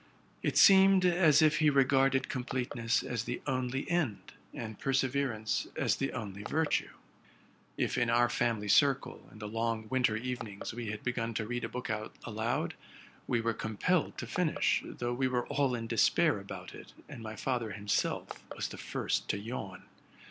It seemed as if he regarded completeness as the only end, and perseverance as the only virtue. If in our family circle, in the long winter evenings, we had begun to read a book 'aloud, we were compelled to finish, though we were all in despair about it, and my father himself was the first to yawn.